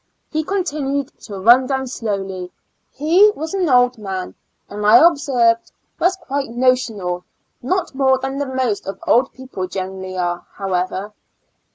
He continued to run down slowly; he was an old man, and I IN A L UNA TIC ASYL UM. 139 observed was quite notional, not more than the most of old people generally are, how ever.